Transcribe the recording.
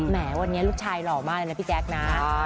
แหมวันนี้ลูกชายหล่อมากเลยนะพี่แจ๊คนะ